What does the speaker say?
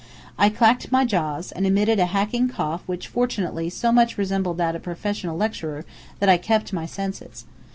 I clacked my jaws, and emitted a hacking cough which fortunately so much resembled that of a professional lecturer that I kept my senses.